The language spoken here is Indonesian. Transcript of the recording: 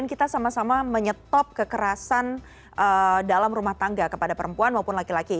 jadi kita sama sama menyetop kekerasan dalam rumah tangga kepada perempuan maupun laki laki